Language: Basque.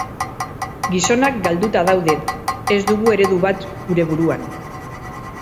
Gizonak galduta daude, ez dugu eredu bat gure buruan.